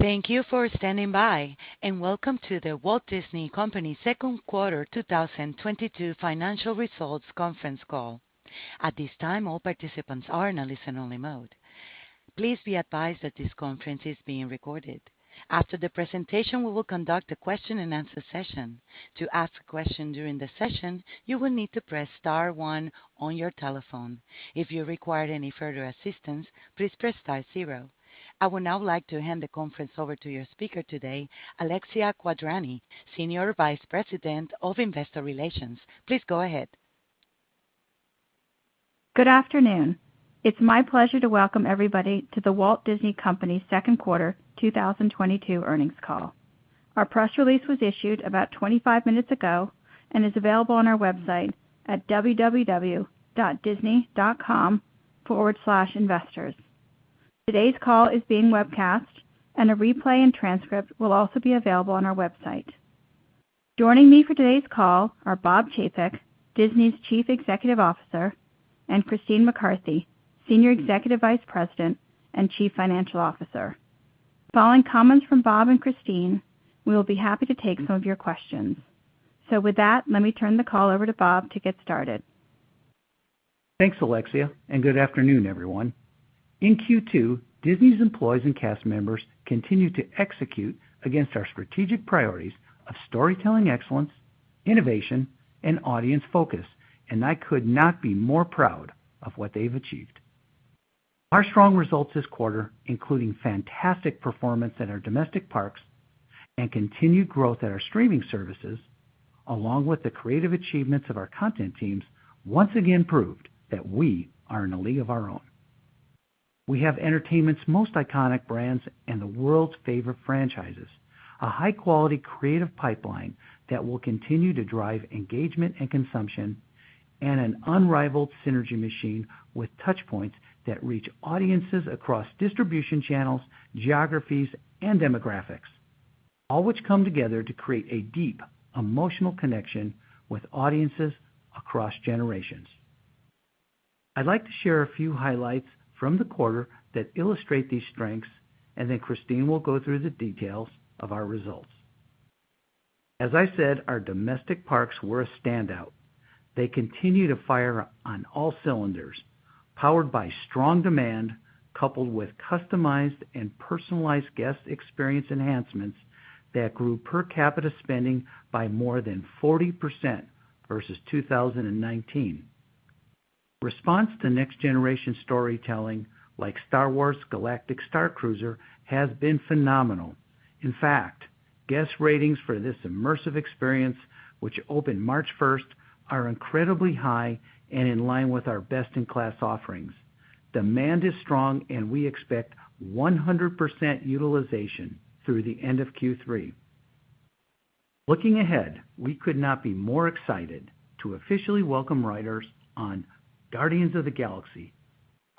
Thank you for standing by, and welcome to The Walt Disney Company second quarter 2022 financial results conference call. At this time, all participants are in a listen only mode. Please be advised that this conference is being recorded. After the presentation, we will conduct a question-and-answer session. To ask a question during the session, you will need to press star one on your telephone. If you require any further assistance, please press star zero. I would now like to hand the conference over to your speaker today, Alexia Quadrani, Senior Vice President of Investor Relations. Please go ahead. Good afternoon. It's my pleasure to welcome everybody to The Walt Disney Company second quarter 2022 earnings call. Our press release was issued about 25 minutes ago and is available on our website at www.disney.com/investors. Today's call is being webcast, and a replay and transcript will also be available on our website. Joining me for today's call are Bob Chapek, Disney's Chief Executive Officer, and Christine McCarthy, Senior Executive Vice President and Chief Financial Officer. Following comments from Bob and Christine, we will be happy to take some of your questions. With that, let me turn the call over to Bob to get started. Thanks, Alexia, and good afternoon, everyone. In Q2, Disney's employees and cast members continued to execute against our strategic priorities of storytelling excellence, innovation and audience focus, and I could not be more proud of what they've achieved. Our strong results this quarter, including fantastic performance at our domestic parks and continued growth at our streaming services, along with the creative achievements of our content teams, once again proved that we are in a league of our own. We have entertainment's most iconic brands and the world's favorite franchises, a high-quality creative pipeline that will continue to drive engagement and consumption, and an unrivaled synergy machine with touch points that reach audiences across distribution channels, geographies and demographics, all which come together to create a deep emotional connection with audiences across generations. I'd like to share a few highlights from the quarter that illustrate these strengths, and then Christine will go through the details of our results. As I said, our domestic parks were a standout. They continue to fire on all cylinders, powered by strong demand, coupled with customized and personalized guest experience enhancements that grew per capita spending by more than 40% versus 2019. Response to next-generation storytelling like Star Wars: Galactic Starcruiser has been phenomenal. In fact, guest ratings for this immersive experience, which opened March 1st, are incredibly high and in line with our best-in-class offerings. Demand is strong, and we expect 100% utilization through the end of Q3. Looking ahead, we could not be more excited to officially welcome riders on Guardians of the Galaxy: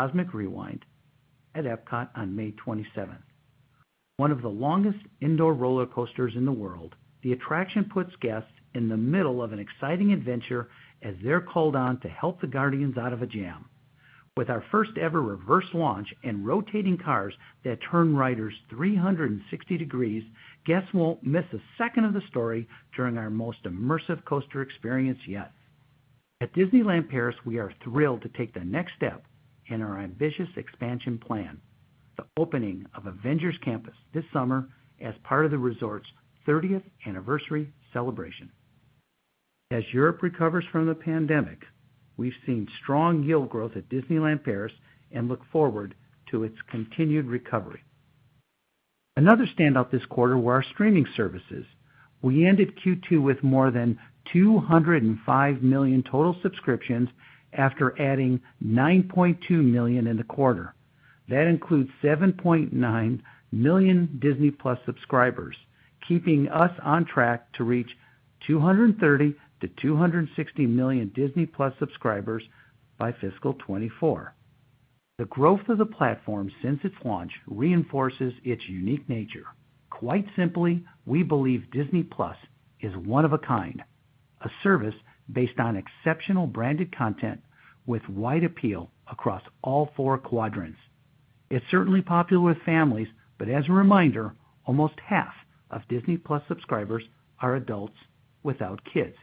Cosmic Rewind at EPCOT on May 27. One of the longest indoor roller coasters in the world, the attraction puts guests in the middle of an exciting adventure as they're called on to help the Guardians out of a jam. With our first ever reverse launch and rotating cars that turn riders 360 degrees, guests won't miss a second of the story during our most immersive coaster experience yet. At Disneyland Paris, we are thrilled to take the next step in our ambitious expansion plan, the opening of Avengers Campus this summer as part of the resort's 30th anniversary celebration. As Europe recovers from the pandemic, we've seen strong yield growth at Disneyland Paris and look forward to its continued recovery. Another standout this quarter were our streaming services. We ended Q2 with more than 205 million total subscriptions after adding 9.2 million in the quarter. That includes 7.9 million Disney+ subscribers, keeping us on track to reach 230-260 million Disney+ subscribers by fiscal 2024. The growth of the platform since its launch reinforces its unique nature. Quite simply, we believe Disney+ is one of a kind, a service based on exceptional branded content with wide appeal across all four quadrants. It's certainly popular with families, but as a reminder, almost half of Disney+ subscribers are adults without kids.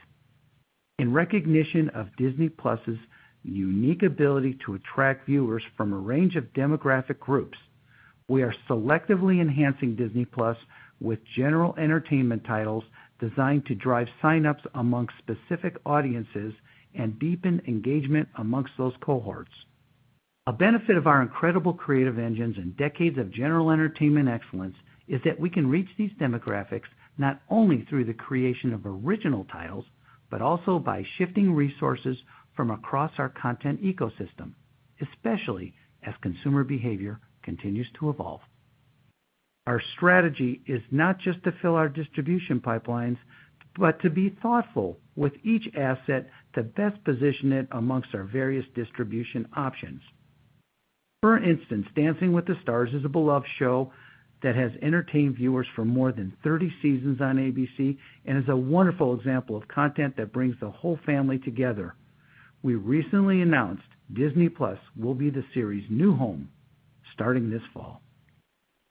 In recognition of Disney+'s unique ability to attract viewers from a range of demographic groups, we are selectively enhancing Disney+ with general entertainment titles designed to drive sign-ups among specific audiences and deepen engagement among those cohorts. A benefit of our incredible creative engines and decades of general entertainment excellence is that we can reach these demographics not only through the creation of original titles, but also by shifting resources from across our content ecosystem, especially as consumer behavior continues to evolve. Our strategy is not just to fill our distribution pipelines, but to be thoughtful with each asset to best position it amongst our various distribution options. For instance, Dancing with the Stars is a beloved show that has entertained viewers for more than 30 seasons on ABC and is a wonderful example of content that brings the whole family together. We recently announced Disney+ will be the series' new home starting this fall.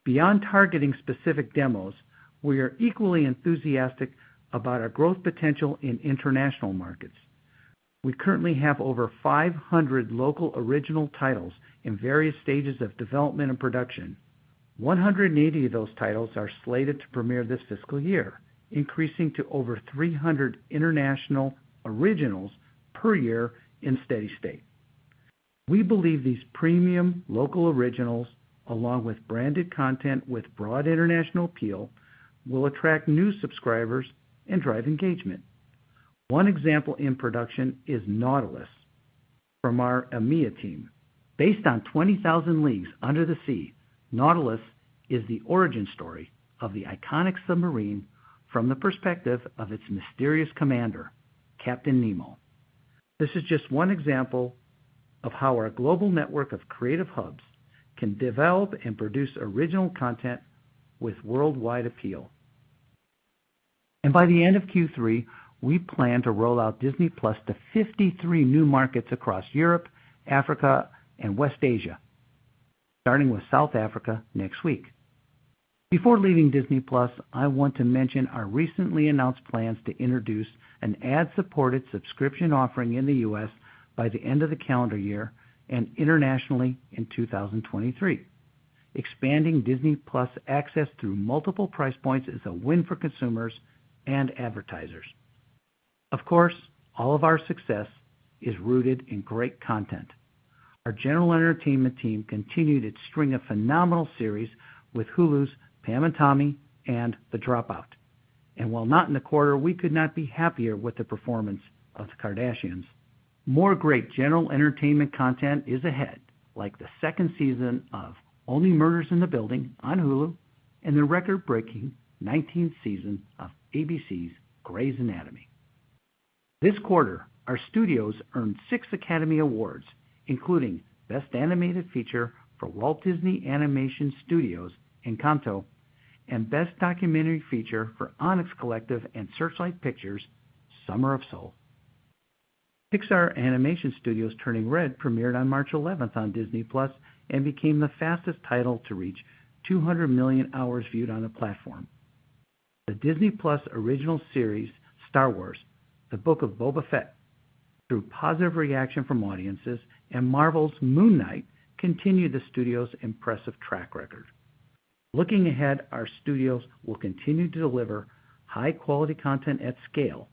Beyond targeting specific demos, we are equally enthusiastic about our growth potential in international markets. We currently have over 500 local original titles in various stages of development and production. 180 of those titles are slated to premiere this fiscal year, increasing to over 300 international originals per year in steady state. We believe these premium local originals, along with branded content with broad international appeal, will attract new subscribers and drive engagement. One example in production is Nautilus from our EMEA team. Based on Twenty Thousand Leagues Under the Sea, Nautilus is the origin story of the iconic submarine from the perspective of its mysterious commander, Captain Nemo. This is just one example of how our global network of creative hubs can develop and produce original content with worldwide appeal. By the end of Q3, we plan to roll out Disney+ to 53 new markets across Europe, Africa, and West Asia, starting with South Africa next week. Before leaving Disney+, I want to mention our recently announced plans to introduce an ad-supported subscription offering in the U.S. by the end of the calendar year and internationally in 2023. Expanding Disney+ access through multiple price points is a win for consumers and advertisers. Of course, all of our success is rooted in great content. Our general entertainment team continued its string of phenomenal series with Hulu's Pam & Tommy and The Dropout. While not in the quarter, we could not be happier with the performance of The Kardashians. More great general entertainment content is ahead, like the second season of Only Murders in the Building on Hulu and the record-breaking nineteenth season of ABC's Grey's Anatomy. This quarter, our studios earned six Academy Awards, including Best Animated Feature for Walt Disney Animation Studios' Encanto and Best Documentary Feature for Onyx Collective and Searchlight Pictures' Summer of Soul. Pixar Animation Studios' Turning Red premiered on March eleventh on Disney+ and became the fastest title to reach 200 million hours viewed on the platform. The Disney+ original series Star Wars: The Book of Boba Fett drew positive reaction from audiences, and Marvel's Moon Knight continued the studio's impressive track record. Looking ahead, our studios will continue to deliver high-quality content at scale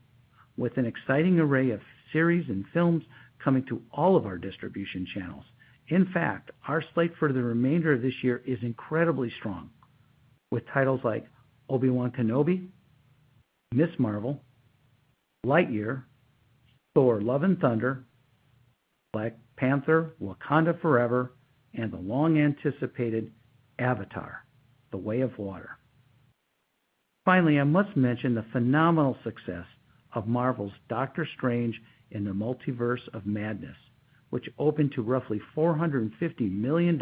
with an exciting array of series and films coming to all of our distribution channels. In fact, our slate for the remainder of this year is incredibly strong with titles like Obi-Wan Kenobi, Ms. Marvel, Lightyear, Thor: Love and Thunder, Black Panther: Wakanda Forever, and the long-anticipated Avatar: The Way of Water. Finally, I must mention the phenomenal success of Marvel's Doctor Strange in the Multiverse of Madness, which opened to roughly $450 million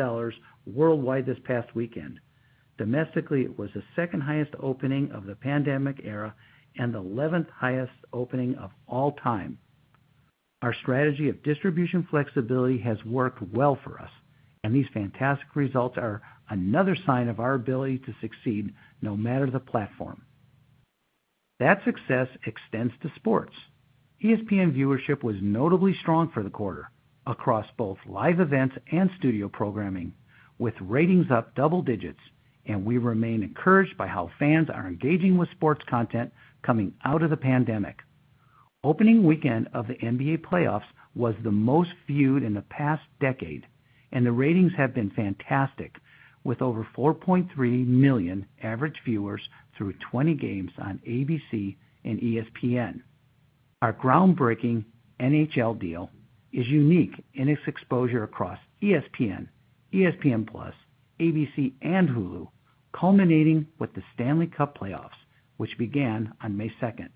worldwide this past weekend. Domestically, it was the second-highest opening of the pandemic era and the eleventh-highest opening of all time. Our strategy of distribution flexibility has worked well for us, and these fantastic results are another sign of our ability to succeed no matter the platform. That success extends to sports. ESPN viewership was notably strong for the quarter across both live events and studio programming, with ratings up double digits, and we remain encouraged by how fans are engaging with sports content coming out of the pandemic. Opening weekend of the NBA playoffs was the most viewed in the past decade, and the ratings have been fantastic, with over 4.3 million average viewers through 20 games on ABC and ESPN. Our groundbreaking NHL deal is unique in its exposure across ESPN+, ABC, and Hulu, culminating with the Stanley Cup playoffs, which began on May second.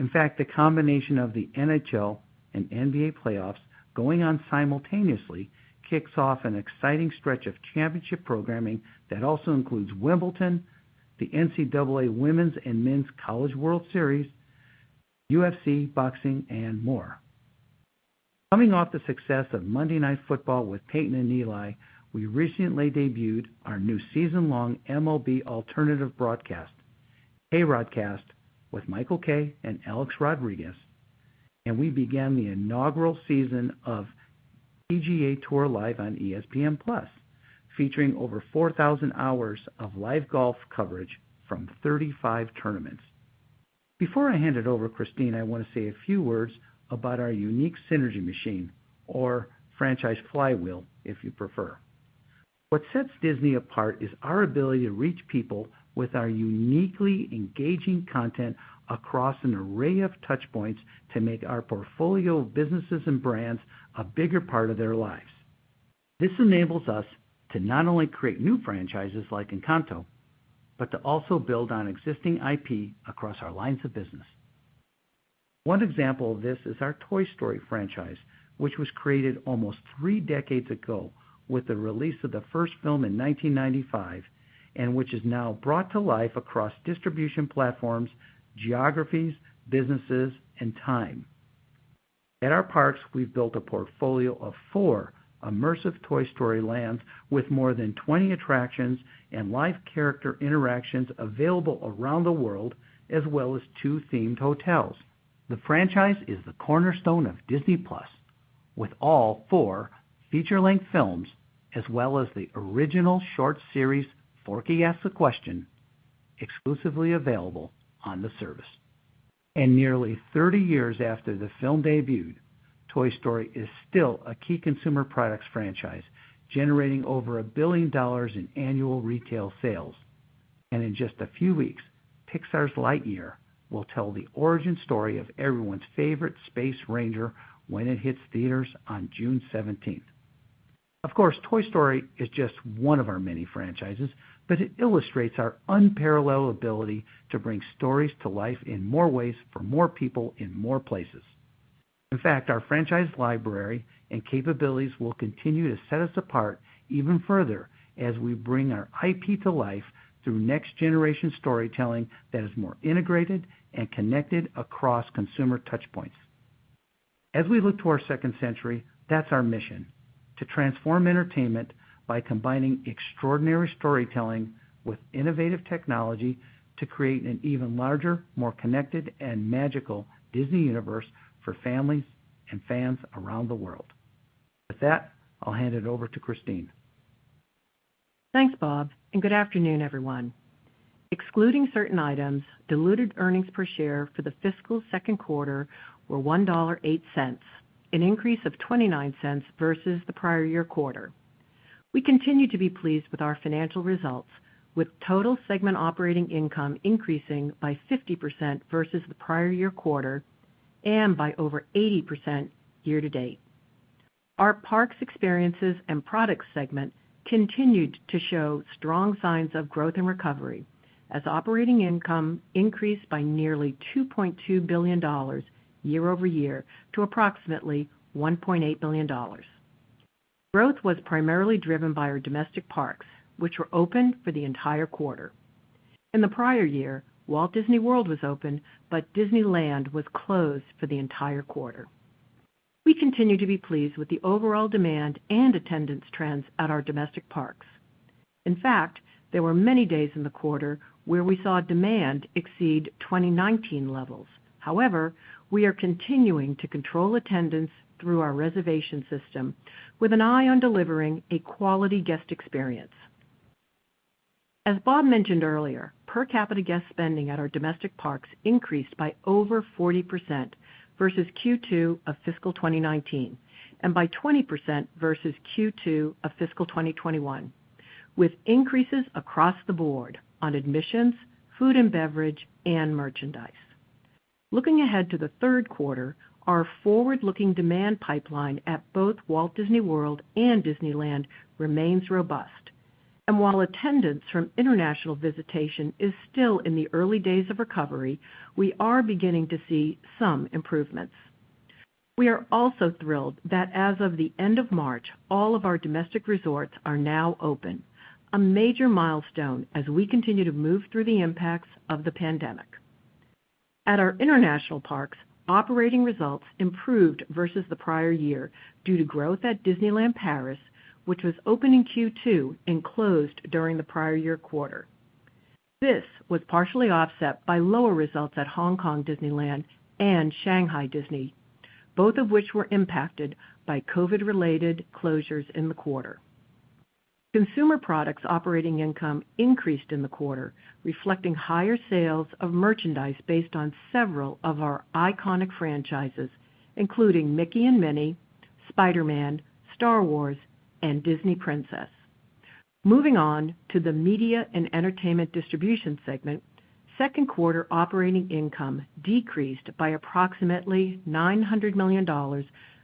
In fact, the combination of the NHL and NBA playoffs going on simultaneously kicks off an exciting stretch of championship programming that also includes Wimbledon, the NCAA Women's and Men's College World Series, UFC, boxing, and more. Coming off the success of Monday Night Football with Peyton and Eli, we recently debuted our new season-long MLB alternative broadcast, KayRod Cast, with Michael Kay and Alex Rodriguez, and we began the inaugural season of PGA TOUR LIVE on ESPN+, featuring over 4,000 hours of live golf coverage from 35 tournaments. Before I hand it over to Christine, I want to say a few words about our unique synergy machine, or franchise flywheel, if you prefer. What sets Disney apart is our ability to reach people with our uniquely engaging content across an array of touchpoints to make our portfolio of businesses and brands a bigger part of their lives. This enables us to not only create new franchises like Encanto, but to also build on existing IP across our lines of business. One example of this is our Toy Story franchise, which was created almost three decades ago with the release of the first film in 1995. Which is now brought to life across distribution platforms, geographies, businesses, and time. At our parks, we've built a portfolio of four immersive Toy Story lands with more than 20 attractions and live character interactions available around the world, as well as two themed hotels. The franchise is the cornerstone of Disney+, with all four feature-length films, as well as the original short series, Forky Asks a Question, exclusively available on the service. Nearly thirty years after the film debuted, Toy Story is still a key consumer products franchise, generating over $1 billion in annual retail sales. In just a few weeks, Pixar's Lightyear will tell the origin story of everyone's favorite Space Ranger when it hits theaters on June seventeenth. Of course, Toy Story is just one of our many franchises, but it illustrates our unparalleled ability to bring stories to life in more ways for more people in more places. In fact, our franchise library and capabilities will continue to set us apart even further as we bring our IP to life through next generation storytelling that is more integrated and connected across consumer touch points. As we look to our second century, that's our mission: to transform entertainment by combining extraordinary storytelling with innovative technology to create an even larger, more connected, and magical Disney universe for families and fans around the world. With that, I'll hand it over to Christine. Thanks, Bob, and good afternoon, everyone. Excluding certain items, diluted earnings per share for the fiscal second quarter were $1.08, an increase of $0.29 versus the prior year quarter. We continue to be pleased with our financial results, with total segment operating income increasing by 50% versus the prior year quarter and by over 80% year to date. Our parks experiences and products segment continued to show strong signs of growth and recovery as operating income increased by nearly $2.2 billion year-over-year to approximately $1.8 billion. Growth was primarily driven by our domestic parks, which were open for the entire quarter. In the prior year, Walt Disney World was open, but Disneyland was closed for the entire quarter. We continue to be pleased with the overall demand and attendance trends at our domestic parks. In fact, there were many days in the quarter where we saw demand exceed 2019 levels. However, we are continuing to control attendance through our reservation system with an eye on delivering a quality guest experience. As Bob mentioned earlier, per capita guest spending at our domestic parks increased by over 40% versus Q2 of fiscal 2019 and by 20% versus Q2 of fiscal 2021, with increases across the board on admissions, food and beverage, and merchandise. Looking ahead to the third quarter, our forward-looking demand pipeline at both Walt Disney World and Disneyland remains robust. While attendance from international visitation is still in the early days of recovery, we are beginning to see some improvements. We are also thrilled that as of the end of March, all of our domestic resorts are now open, a major milestone as we continue to move through the impacts of the pandemic. At our international parks, operating results improved versus the prior year due to growth at Disneyland Paris, which was open in Q2 and closed during the prior year quarter. This was partially offset by lower results at Hong Kong Disneyland and Shanghai Disneyland, both of which were impacted by COVID-related closures in the quarter. Consumer products operating income increased in the quarter, reflecting higher sales of merchandise based on several of our iconic franchises, including Mickey and Minnie, Spider-Man, Star Wars, and Disney Princess. Moving on to the media and entertainment distribution segment, second quarter operating income decreased by approximately $900 million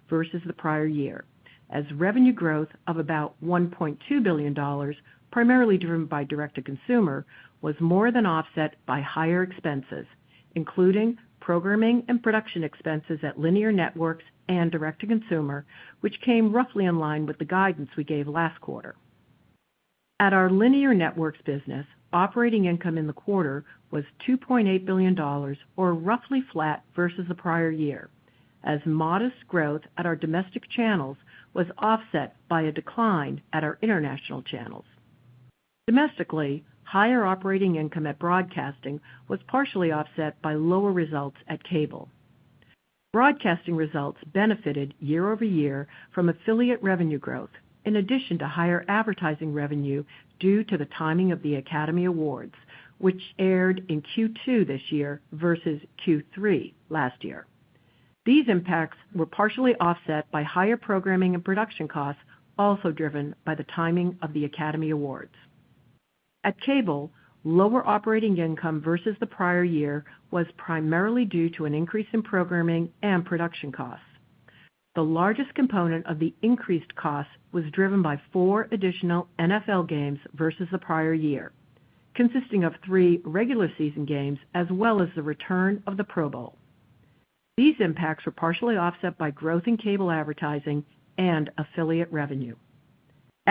versus the prior year, as revenue growth of about $1.2 billion, primarily driven by direct-to-consumer, was more than offset by higher expenses, including programming and production expenses at linear networks and direct to consumer, which came roughly in line with the guidance we gave last quarter. At our linear networks business, operating income in the quarter was $2.8 billion or roughly flat versus the prior year, as modest growth at our domestic channels was offset by a decline at our international channels. Domestically, higher operating income at broadcasting was partially offset by lower results at cable. Broadcasting results benefited year-over-year from affiliate revenue growth, in addition to higher advertising revenue due to the timing of the Academy Awards, which aired in Q2 this year versus Q3 last year. These impacts were partially offset by higher programming and production costs, also driven by the timing of the Academy Awards. At Cable, lower operating income versus the prior year was primarily due to an increase in programming and production costs. The largest component of the increased cost was driven by 4 additional NFL games versus the prior year, consisting of three regular season games as well as the return of the Pro Bowl. These impacts were partially offset by growth in cable advertising and affiliate revenue.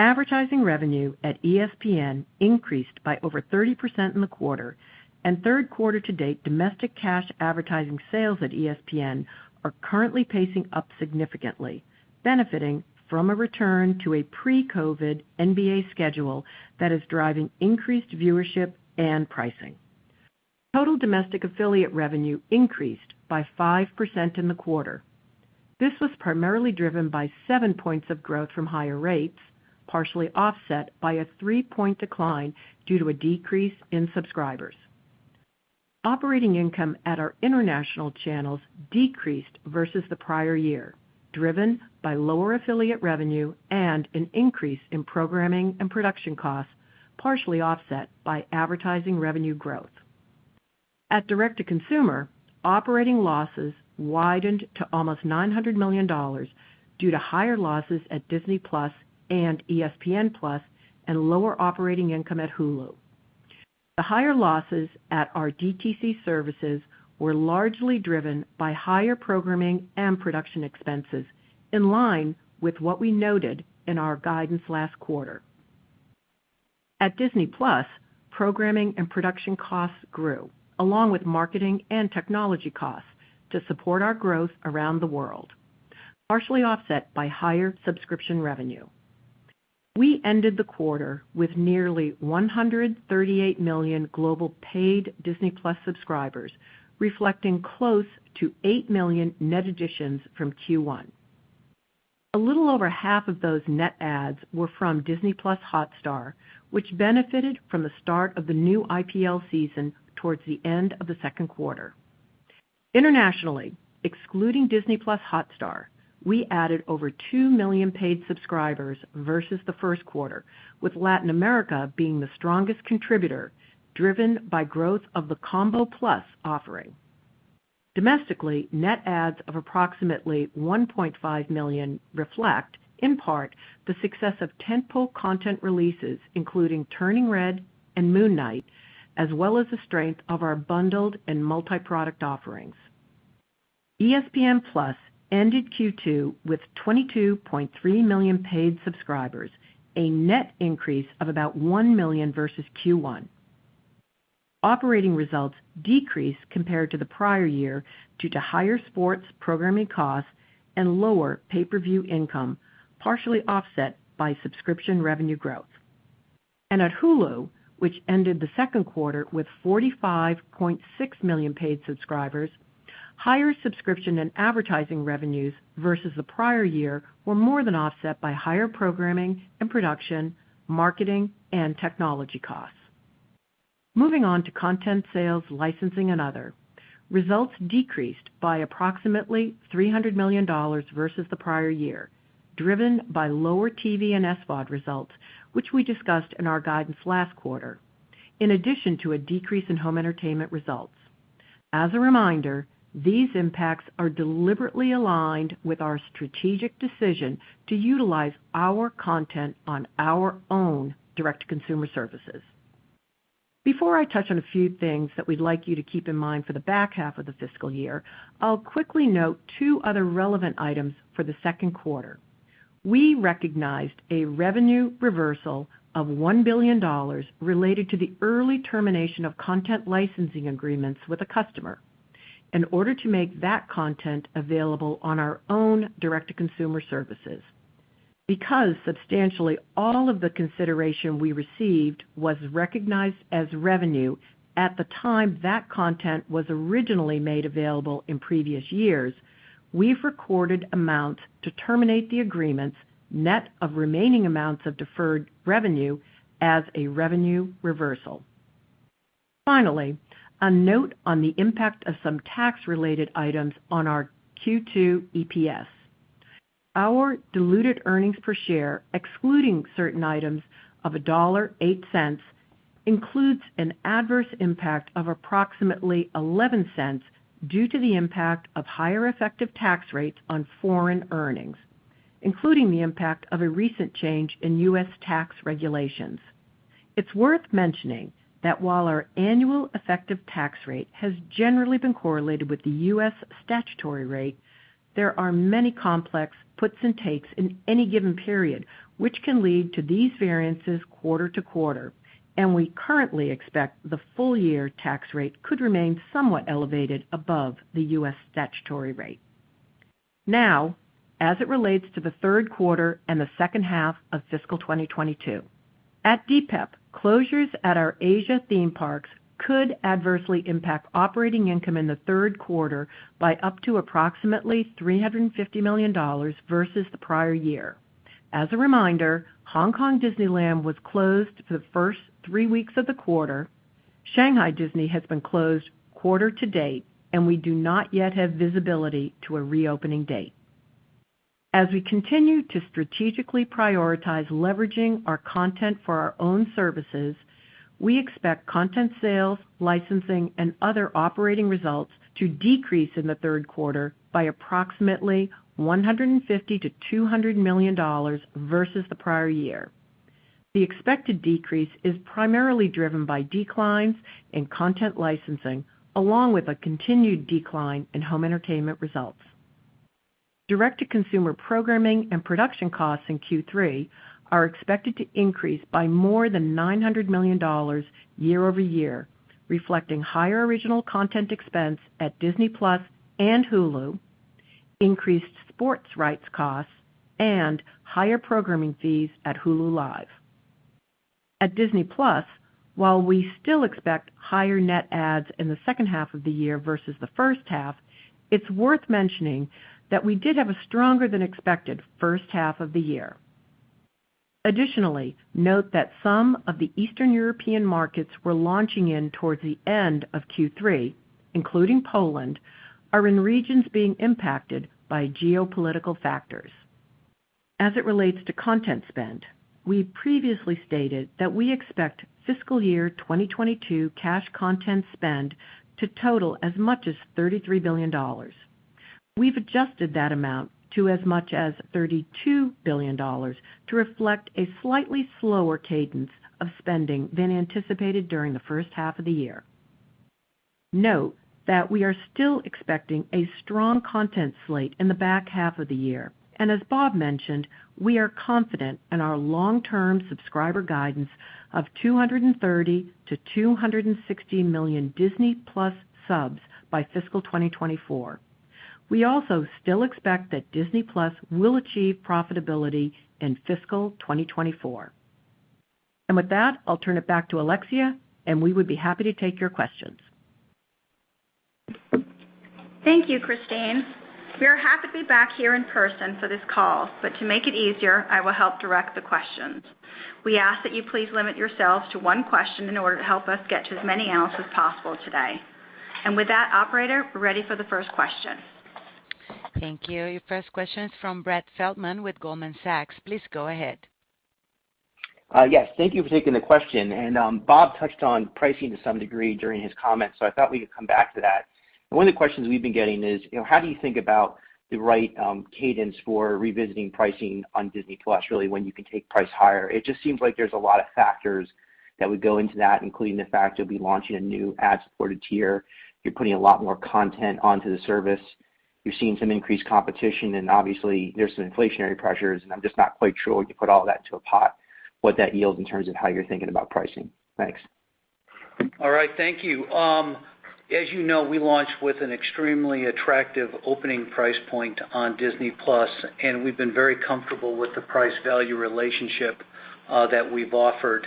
Advertising revenue at ESPN increased by over 30% in the quarter, and third quarter to date domestic cash advertising sales at ESPN are currently pacing up significantly, benefiting from a return to a pre-COVID NBA schedule that is driving increased viewership and pricing. Total domestic affiliate revenue increased by 5% in the quarter. This was primarily driven by seven points of growth from higher rates, partially offset by a three-point decline due to a decrease in subscribers. Operating income at our international channels decreased versus the prior year, driven by lower affiliate revenue and an increase in programming and production costs, partially offset by advertising revenue growth. At direct-to-consumer, operating losses widened to almost $900 million due to higher losses at Disney+ and ESPN+ and lower operating income at Hulu. The higher losses at our DTC services were largely driven by higher programming and production expenses in line with what we noted in our guidance last quarter. At Disney+, programming and production costs grew along with marketing and technology costs to support our growth around the world, partially offset by higher subscription revenue. We ended the quarter with nearly 138 million global paid Disney+ subscribers, reflecting close to 8 million net additions from Q1. A little over half of those net adds were from Disney+ Hotstar, which benefited from the start of the new IPL season towards the end of the second quarter. Internationally, excluding Disney+ Hotstar, we added over 2 million paid subscribers versus the first quarter, with Latin America being the strongest contributor, driven by growth of the Combo+ offering. Domestically, net adds of approximately 1.5 million reflect, in part, the success of tentpole content releases, including Turning Red and Moon Knight, as well as the strength of our bundled and multi-product offerings. ESPN+ ended Q2 with 22.3 million paid subscribers, a net increase of about 1 million versus Q1. Operating results decreased compared to the prior year due to higher sports programming costs and lower pay-per-view income, partially offset by subscription revenue growth. At Hulu, which ended the second quarter with 45.6 million paid subscribers, higher subscription and advertising revenues versus the prior year were more than offset by higher programming and production, marketing and technology costs. Moving on to content sales, licensing, and other, results decreased by approximately $300 million versus the prior year, driven by lower TV and SVOD results, which we discussed in our guidance last quarter, in addition to a decrease in home entertainment results. As a reminder, these impacts are deliberately aligned with our strategic decision to utilize our content on our own direct-to-consumer services. Before I touch on a few things that we'd like you to keep in mind for the back half of the fiscal year, I'll quickly note two other relevant items for the second quarter. We recognized a revenue reversal of $1 billion related to the early termination of content licensing agreements with a customer in order to make that content available on our own direct-to-consumer services. Because substantially all of the consideration we received was recognized as revenue at the time that content was originally made available in previous years, we've recorded amounts to terminate the agreements net of remaining amounts of deferred revenue as a revenue reversal. Finally, a note on the impact of some tax-related items on our Q2 EPS. Our diluted earnings per share, excluding certain items of $1.08, includes an adverse impact of approximately 11 cents due to the impact of higher effective tax rates on foreign earnings, including the impact of a recent change in U.S. tax regulations. It's worth mentioning that while our annual effective tax rate has generally been correlated with the U.S. statutory rate, there are many complex puts and takes in any given period which can lead to these variances quarter to quarter, and we currently expect the full year tax rate could remain somewhat elevated above the U.S. statutory rate. Now, as it relates to the third quarter and the second half of fiscal 2022, at DPEP, closures at our Asia theme parks could adversely impact operating income in the third quarter by up to approximately $350 million versus the prior year. As a reminder, Hong Kong Disneyland was closed for the first three weeks of the quarter. Shanghai Disney has been closed quarter to date, and we do not yet have visibility to a reopening date. As we continue to strategically prioritize leveraging our content for our own services, we expect content sales, licensing, and other operating results to decrease in the third quarter by approximately $150-$200 million versus the prior year. The expected decrease is primarily driven by declines in content licensing, along with a continued decline in home entertainment results. Direct-to-consumer programming and production costs in Q3 are expected to increase by more than $900 million year over year, reflecting higher original content expense at Disney+ and Hulu, increased sports rights costs, and higher programming fees at Hulu Live. At Disney+, while we still expect higher net adds in the second half of the year versus the first half, it's worth mentioning that we did have a stronger than expected first half of the year. Additionally, note that some of the Eastern European markets we're launching in towards the end of Q3, including Poland, are in regions being impacted by geopolitical factors. As it relates to content spend, we previously stated that we expect fiscal year 2022 cash content spend to total as much as $33 billion. We've adjusted that amount to as much as $32 billion to reflect a slightly slower cadence of spending than anticipated during the first half of the year. Note that we are still expecting a strong content slate in the back half of the year. As Bob mentioned, we are confident in our long-term subscriber guidance of 230-260 million Disney+ subs by fiscal 2024. We also still expect that Disney+ will achieve profitability in fiscal 2024. With that, I'll turn it back to Alexia, and we would be happy to take your questions. Thank you, Christine. We are happy to be back here in person for this call, but to make it easier, I will help direct the questions. We ask that you please limit yourselves to one question in order to help us get to as many analysts as possible today. With that, operator, we're ready for the first question. Thank you. Your first question is from Brett Feldman with Goldman Sachs. Please go ahead. Yes, thank you for taking the question. Bob touched on pricing to some degree during his comments, so I thought we could come back to that. One of the questions we've been getting is, you know, how do you think about the right cadence for revisiting pricing on Disney+ really when you can take price higher? It just seems like there's a lot of factors that would go into that, including the fact you'll be launching a new ad-supported tier. You're putting a lot more content onto the service. You're seeing some increased competition, and obviously, there's some inflationary pressures, and I'm just not quite sure when you put all that into the pot what that yields in terms of how you're thinking about pricing. Thanks. All right, thank you. As you know, we launched with an extremely attractive opening price point on Disney+, and we've been very comfortable with the price value relationship that we've offered.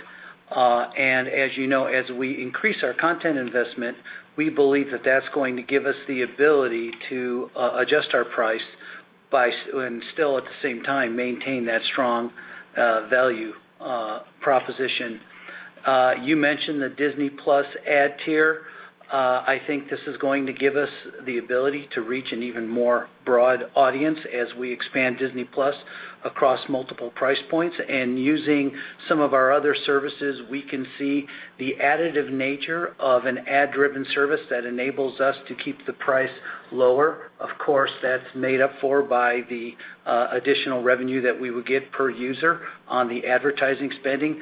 As you know, as we increase our content investment, we believe that that's going to give us the ability to adjust our price and still at the same time maintain that strong value proposition. You mentioned the Disney+ ad tier. I think this is going to give us the ability to reach an even more broad audience as we expand Disney+ across multiple price points. Using some of our other services, we can see the additive nature of an ad-driven service that enables us to keep the price lower. Of course, that's made up for by the additional revenue that we would get per user on the advertising spending.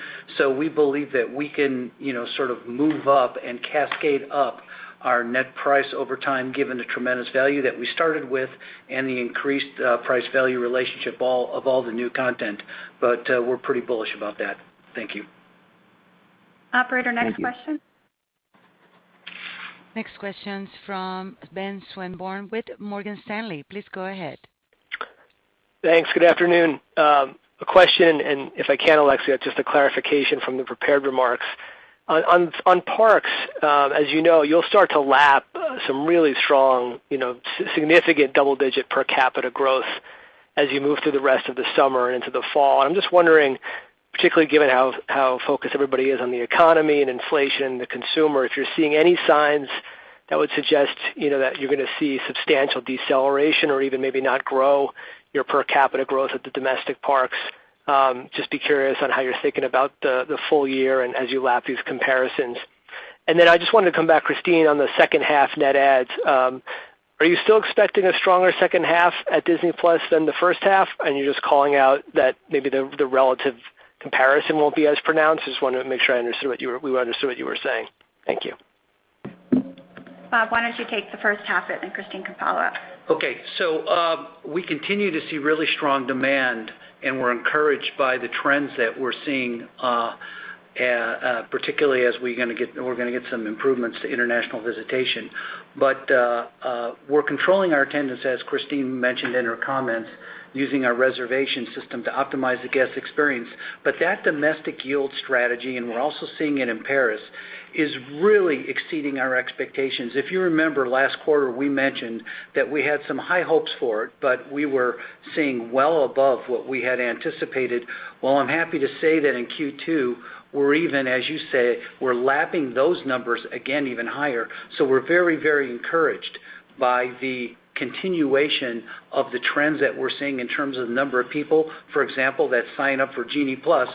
We believe that we can, you know, sort of move up and cascade up our net price over time, given the tremendous value that we started with and the increased price value relationship of all the new content. We're pretty bullish about that. Thank you. Operator, next question. Next question's from Ben Swinburne with Morgan Stanley. Please go ahead. Thanks. Good afternoon. A question, if I can, Alexia, just a clarification from the prepared remarks. On parks, as you know, you'll start to lap some really strong, you know, significant double-digit per capita growth as you move through the rest of the summer and into the fall. I'm just wondering, particularly given how focused everybody is on the economy and inflation and the consumer, if you're seeing any signs that would suggest, you know, that you're gonna see substantial deceleration or even maybe not grow your per capita growth at the domestic parks. I'm just curious about how you're thinking about the full year and as you lap these comparisons. I just wanted to come back, Christine, on the second half net adds. Are you still expecting a stronger second half at Disney+ than the first half? You're just calling out that maybe the relative comparison won't be as pronounced? Just wanna make sure we understood what you were saying. Thank you. Bob, why don't you take the first half, and then Christine can follow up. We continue to see really strong demand, and we're encouraged by the trends that we're seeing, particularly as we're gonna get some improvements to international visitation. We're controlling our attendance, as Christine mentioned in her comments, using our reservation system to optimize the guest experience. That domestic yield strategy, and we're also seeing it in Paris, is really exceeding our expectations. If you remember last quarter, we mentioned that we had some high hopes for it, but we were seeing well above what we had anticipated. Well, I'm happy to say that in Q2, we're even, as you say, we're lapping those numbers again even higher. We're very, very encouraged by the continuation of the trends that we're seeing in terms of number of people, for example, that sign up for Genie+, plus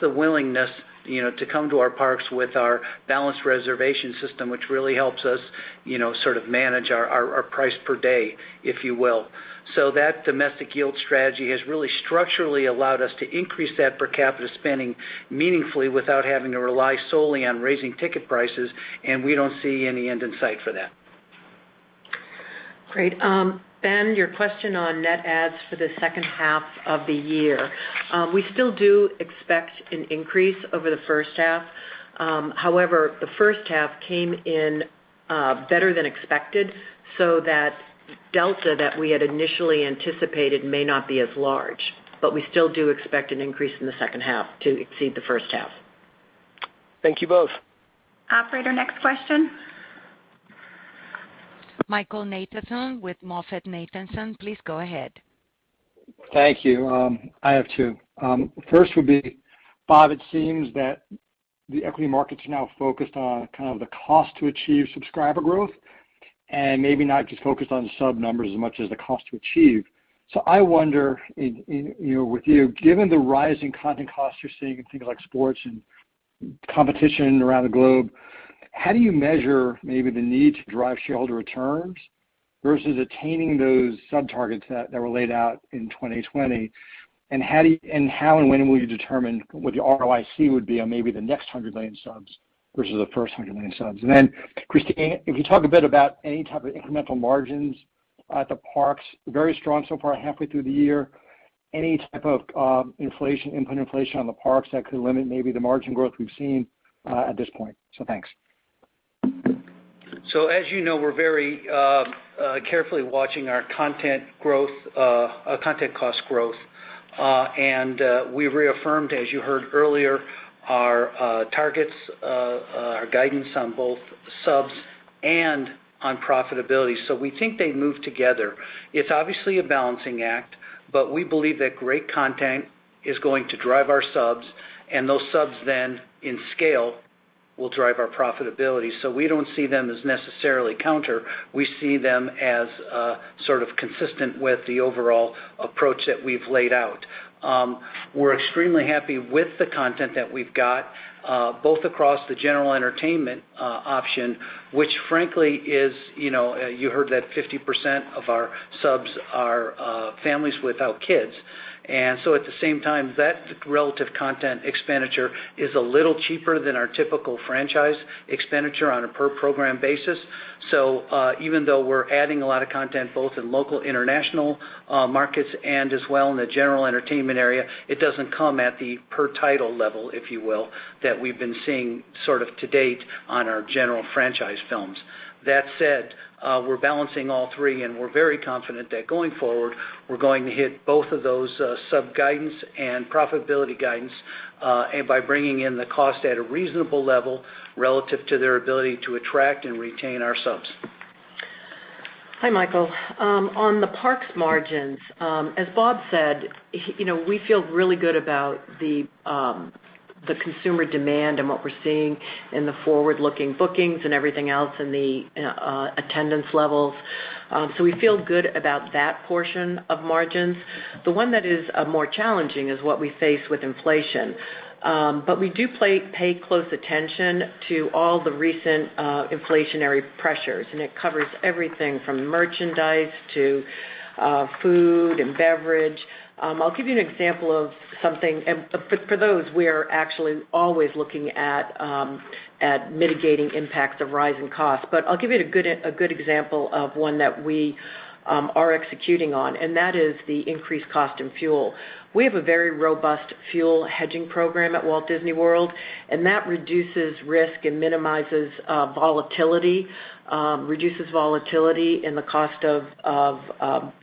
the willingness, you know, to come to our parks with our balanced reservation system, which really helps us, you know, sort of manage our price per day, if you will. That domestic yield strategy has really structurally allowed us to increase that per capita spending meaningfully without having to rely solely on raising ticket prices, and we don't see any end in sight for that. Great. Ben, your question on net adds for the second half of the year. We still do expect an increase over the first half. However, the first half came in, better than expected, so that delta that we had initially anticipated may not be as large. We still do expect an increase in the second half to exceed the first half. Thank you both. Operator, next question. Michael Nathanson with MoffettNathanson, please go ahead. Thank you. I have two. First would be, Bob, it seems that the equity markets are now focused on kind of the cost to achieve subscriber growth and maybe not just focused on the sub numbers as much as the cost to achieve. I wonder, you know, with you, given the rising content costs you're seeing in things like sports and competition around the globe, how do you measure maybe the need to drive shareholder returns versus attaining those sub targets that were laid out in 2020? How and when will you determine what the ROIC would be on maybe the next 100 million subs versus the first 100 million subs? Then Christine, if you talk a bit about any type of incremental margins at the parks, very strong so far halfway through the year. Any type of inflation, input inflation on the parks that could limit maybe the margin growth we've seen at this point? Thanks. As you know, we're very carefully watching our content growth, our content cost growth. We reaffirmed, as you heard earlier, our targets, our guidance on both subs and on profitability. We think they move together. It's obviously a balancing act, but we believe that great content is going to drive our subs, and those subs then, in scale, will drive our profitability. We don't see them as necessarily counter. We see them as sort of consistent with the overall approach that we've laid out. We're extremely happy with the content that we've got, both across the general entertainment option, which frankly is, you know, you heard that 50% of our subs are families without kids. at the same time, that relative content expenditure is a little cheaper than our typical franchise expenditure on a per program basis. Even though we're adding a lot of content both in local international markets and as well in the general entertainment area, it doesn't come at the per title level, if you will, that we've been seeing sort of to date on our general franchise films. That said, we're balancing all three, and we're very confident that going forward, we're going to hit both of those, sub guidance and profitability guidance, and by bringing in the cost at a reasonable level relative to their ability to attract and retain our subs. Hi, Michael. On the parks margins, as Bob said, you know, we feel really good about the consumer demand and what we're seeing in the forward-looking bookings and everything else and the attendance levels. So we feel good about that portion of margins. The one that is more challenging is what we face with inflation. But we do pay close attention to all the recent inflationary pressures, and it covers everything from merchandise to food and beverage. I'll give you an example of something. For those, we are actually always looking at mitigating impacts of rising costs. But I'll give you a good example of one that we are executing on, and that is the increased cost in fuel. We have a very robust fuel hedging program at Walt Disney World, and that reduces risk and minimizes volatility, reduces volatility in the cost of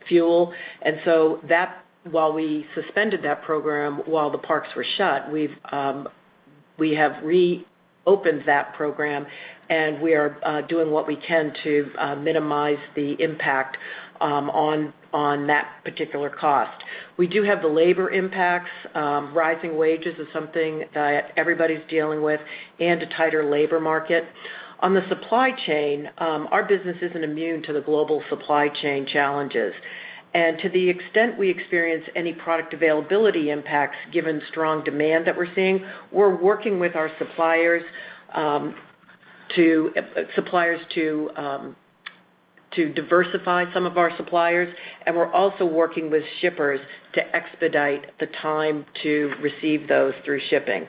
fuel. That, while we suspended that program while the parks were shut, we have reopened that program, and we are doing what we can to minimize the impact on that particular cost. We do have the labor impacts. Rising wages is something that everybody's dealing with and a tighter labor market. On the supply chain, our business isn't immune to the global supply chain challenges. To the extent we experience any product availability impacts, given strong demand that we're seeing, we're working with our suppliers to diversify some of our suppliers. We're also working with shippers to expedite the time to receive those through shipping.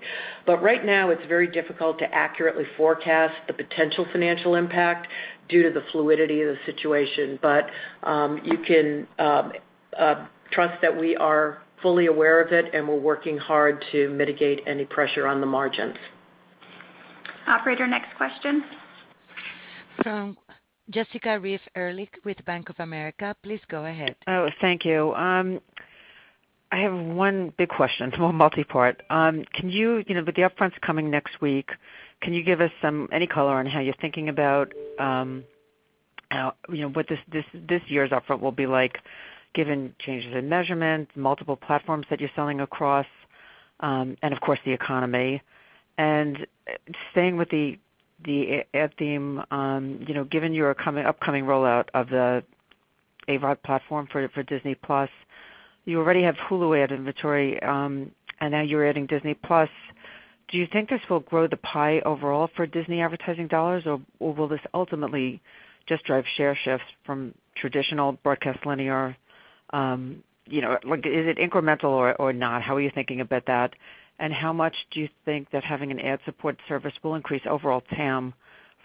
Right now, it's very difficult to accurately forecast the potential financial impact due to the fluidity of the situation. You can trust that we are fully aware of it, and we're working hard to mitigate any pressure on the margins. Operator, next question. From Jessica Reif Ehrlich with Bank of America. Please go ahead. Oh, thank you. I have one big question, so I'm multipart. Can you know, with the upfronts coming next week, give us some any color on how you're thinking about, you know, what this year's upfront will be like given changes in measurements, multiple platforms that you're selling across? Of course, the economy. Staying with the ad theme, you know, given your upcoming rollout of the AVOD platform for Disney+, you already have Hulu ad inventory, and now you're adding Disney+. Do you think this will grow the pie overall for Disney advertising dollars or will this ultimately just drive share shifts from traditional broadcast linear? You know, like, is it incremental or not? How are you thinking about that? How much do you think that having an ad support service will increase overall TAM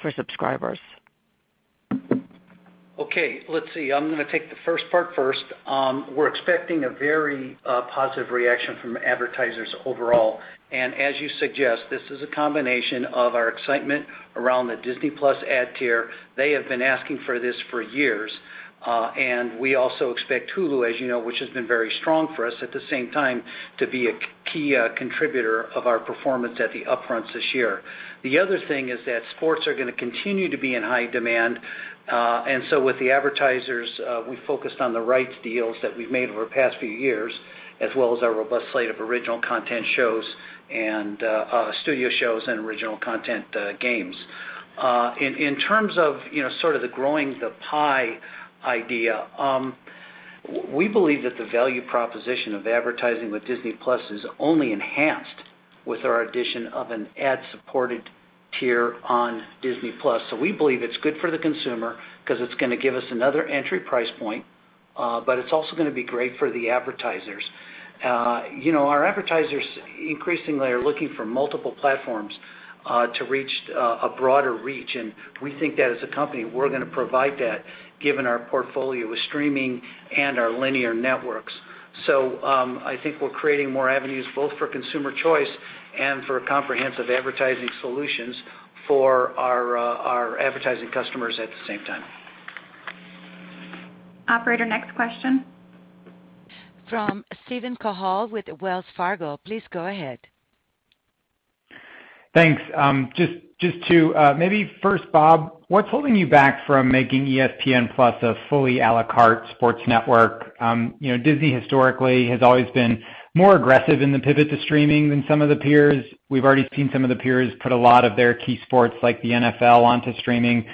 for subscribers? Okay, let's see. I'm gonna take the first part first. We're expecting a very positive reaction from advertisers overall and as you suggest, this is a combination of our excitement around the Disney+ ad tier. They have been asking for this for years. We also expect Hulu, as you know, which has been very strong for us, at the same time, to be a key contributor of our performance at the upfronts this year. The other thing is that sports are gonna continue to be in high demand, and so with the advertisers, we focused on the rights deals that we've made over the past few years, as well as our robust slate of original content shows and studio shows and original content games. In terms of, you know, sort of the growing the pie idea, we believe that the value proposition of advertising with Disney Plus is only enhanced with our addition of an ad-supported tier on Disney Plus. We believe it's good for the consumer because it's gonna give us another entry price point, but it's also gonna be great for the advertisers. You know, our advertisers increasingly are looking for multiple platforms to reach a broader reach, and we think that as a company, we're gonna provide that given our portfolio with streaming and our linear networks. I think we're creating more avenues both for consumer choice and for comprehensive advertising solutions for our advertising customers at the same time. Operator, next question. From Steven Cahall with Wells Fargo. Please go ahead. Thanks. Just two. Maybe first, Bob, what's holding you back from making ESPN+ a fully à la carte sports network? You know, Disney historically has always been more aggressive in the pivot to streaming than some of the peers. We've already seen some of the peers put a lot of their key sports like the NFL onto streaming.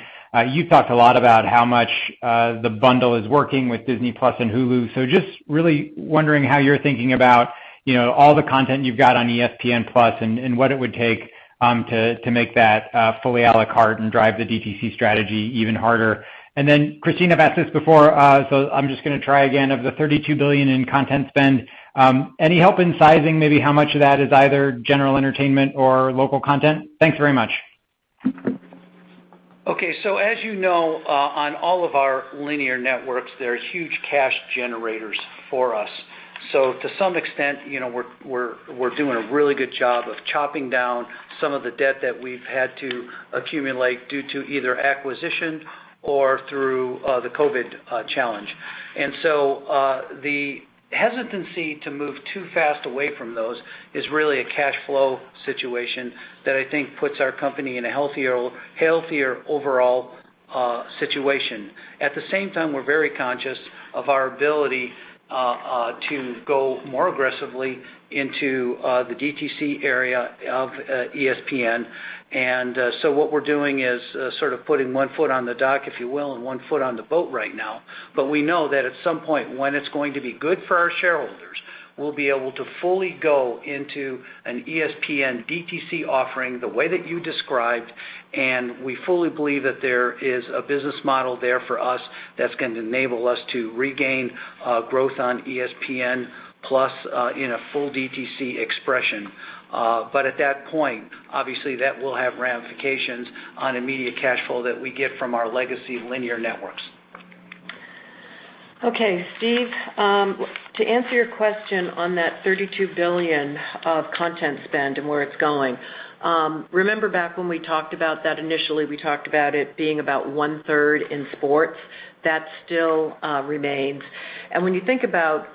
You've talked a lot about how much the bundle is working with Disney+ and Hulu. So just really wondering how you're thinking about, you know, all the content you've got on ESPN+ and what it would take to make that fully à la carte and drive the DTC strategy even harder. Then Christine's asked this before, so I'm just gonna try again. Of the $32 billion in content spend, any help in sizing maybe how much of that is either general entertainment or local content? Thanks very much. Okay. As you know, on all of our linear networks, they're huge cash generators for us. To some extent, you know, we're doing a really good job of chopping down some of the debt that we've had to accumulate due to either acquisition or through the COVID challenge. The hesitancy to move too fast away from those is really a cash flow situation that I think puts our company in a healthier overall situation. At the same time, we're very conscious of our ability to go more aggressively into the DTC area of ESPN. What we're doing is sort of putting one foot on the dock, if you will, and one foot on the boat right now. We know that at some point when it's going to be good for our shareholders, we'll be able to fully go into an ESPN DTC offering the way that you described, and we fully believe that there is a business model there for us that's going to enable us to regain growth on ESPN+ in a full DTC expression. At that point, obviously that will have ramifications on immediate cash flow that we get from our legacy linear networks. Okay, Steve, to answer your question on that $32 billion of content spend and where it's going. Remember back when we talked about that initially, we talked about it being about one-third in sports. That still remains. When you think about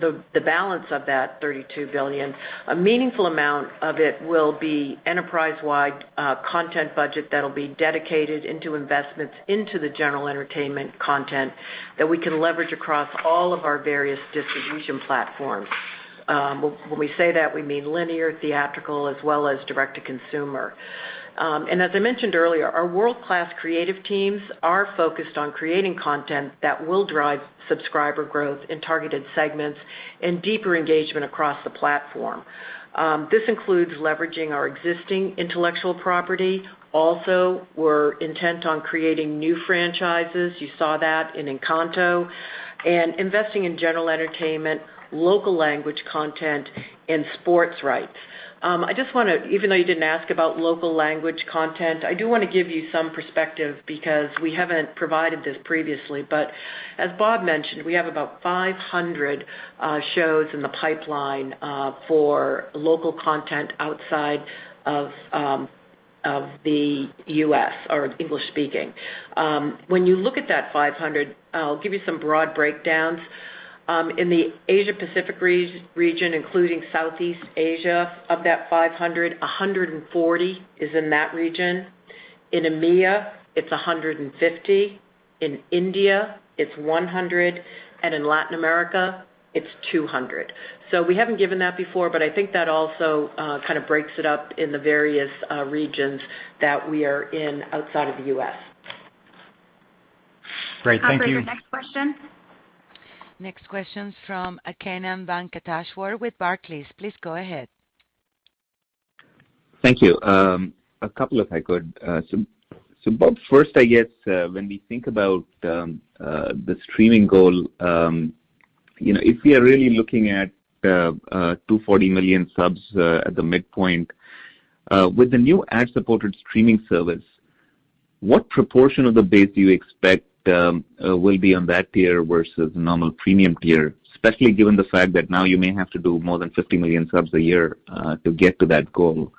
the balance of that $32 billion, a meaningful amount of it will be enterprise-wide content budget that'll be dedicated into investments into the general entertainment content that we can leverage across all of our various distribution platforms. When we say that, we mean linear, theatrical, as well as direct to consumer. As I mentioned earlier, our world-class creative teams are focused on creating content that will drive subscriber growth in targeted segments and deeper engagement across the platform. This includes leveraging our existing intellectual property. Also, we're intent on creating new franchises. You saw that in Encanto. Investing in general entertainment, local language content and sports rights. I just wanna even though you didn't ask about local language content, I do wanna give you some perspective because we haven't provided this previously. As Bob mentioned, we have about 500 shows in the pipeline for local content outside of the US or English-speaking. When you look at that 500, I'll give you some broad breakdowns. In the Asia Pacific region, including Southeast Asia, of that 500, 140 is in that region. In EMEA, it's 150. In India, it's 100, and in Latin America, it's 200. We haven't given that before, but I think that also kind of breaks it up in the various regions that we are in outside of the US. Great. Thank you. Operator, next question. Next question from Kannan Venkateshwar with Barclays. Please go ahead. Thank you. A couple if I could. Bob, first, I guess, when we think about the streaming goal, you know, if we are really looking at 240 million subs at the midpoint with the new ad-supported streaming service, what proportion of the base do you expect will be on that tier versus the normal premium tier, especially given the fact that now you may have to do more than 50 million subs a year to get to that goal,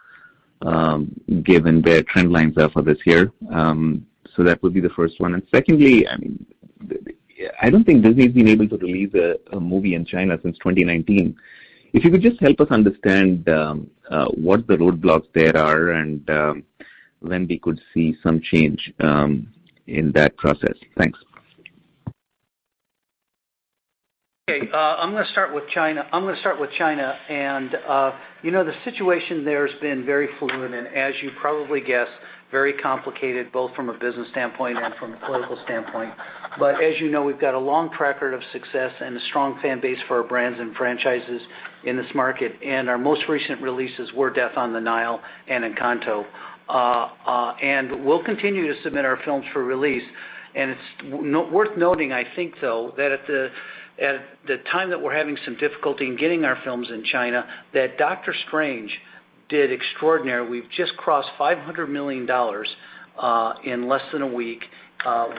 given the trend lines there for this year? That would be the first one. Secondly, I mean, I don't think Disney's been able to release a movie in China since 2019. If you could just help us understand what the roadblocks there are and when we could see some change in that process. Thanks. Okay. I'm gonna start with China, and, you know, the situation there has been very fluid, and as you probably guess, very complicated, both from a business standpoint and from a political standpoint. As you know, we've got a long track record of success and a strong fan base for our brands and franchises in this market, and our most recent releases were Death on the Nile and Encanto. We'll continue to submit our films for release. It's worth noting, I think, though, that at the time that we're having some difficulty in getting our films in China, that Doctor Strange did extraordinary. We've just crossed $500 million in less than a week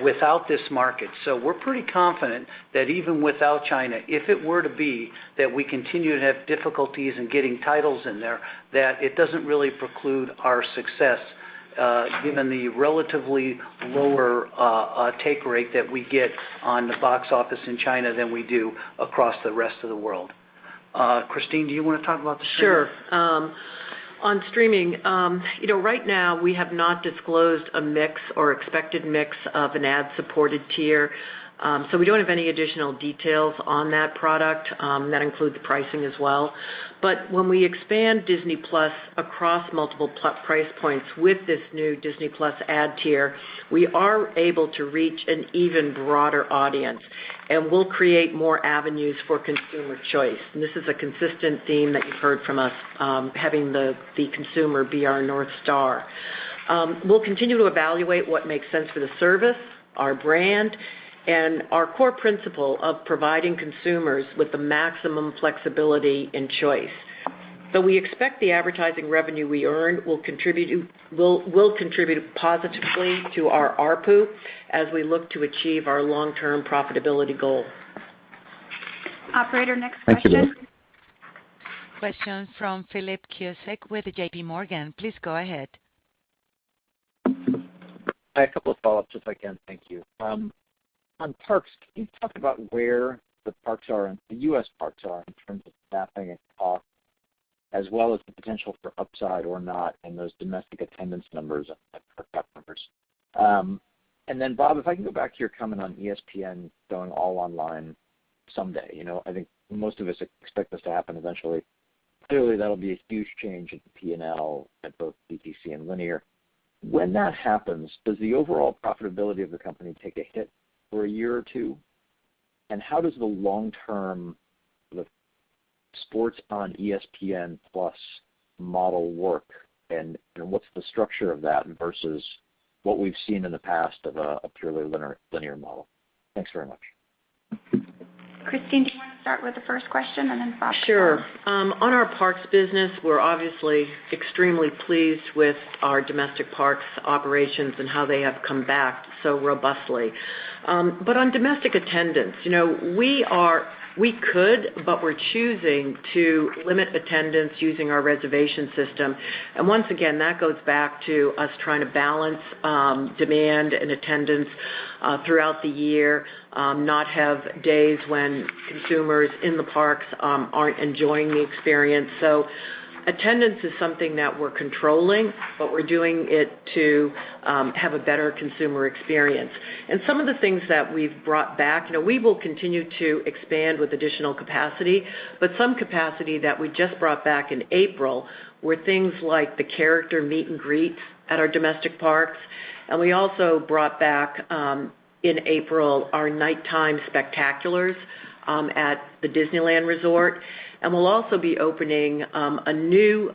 without this market. We're pretty confident that even without China, if it were to be that we continue to have difficulties in getting titles in there, that it doesn't really preclude our success, given the relatively lower take rate that we get on the box office in China than we do across the rest of the world. Christine, do you wanna talk about the streaming? Sure. On streaming, you know, right now we have not disclosed a mix or expected mix of an ad-supported tier, so we don't have any additional details on that product, that includes the pricing as well. When we expand Disney+ across multiple price points with this new Disney+ ad tier, we are able to reach an even broader audience, and we'll create more avenues for consumer choice. This is a consistent theme that you've heard from us, having the consumer be our North Star. We'll continue to evaluate what makes sense for the service, our brand, and our core principle of providing consumers with the maximum flexibility and choice. We expect the advertising revenue we earn will contribute positively to our ARPU as we look to achieve our long-term profitability goal. Operator, next question. Thank you. Question from Philip Cusick with JP Morgan. Please go ahead. Hi, a couple of follow-ups if I can. Thank you. On parks, can you talk about where the parks are and the U.S. parks are in terms of staffing and cost, as well as the potential for upside or not in those domestic attendance numbers and park visitors? Bob, if I can go back to your comment on ESPN going all online someday. You know, I think most of us expect this to happen eventually. Clearly, that'll be a huge change in the P&L at both DTC and linear. When that happens, does the overall profitability of the company take a hit for a year or two? How does the long-term, the sports on ESPN+ model work, and what's the structure of that versus what we've seen in the past of a purely linear model? Thanks very much. Christine, do you wanna start with the first question, and then Bob can follow up? Sure. On our parks business, we're obviously extremely pleased with our domestic parks operations and how they have come back so robustly. On domestic attendance, we could, but we're choosing to limit attendance using our reservation system. Once again, that goes back to us trying to balance demand and attendance throughout the year, not have days when consumers in the parks aren't enjoying the experience. Attendance is something that we're controlling, but we're doing it to have a better consumer experience. Some of the things that we've brought back, you know, we will continue to expand with additional capacity, but some capacity that we just brought back in April were things like the character meet and greets at our domestic parks, and we also brought back in April, our nighttime spectaculars at the Disneyland Resort. We'll also be opening a new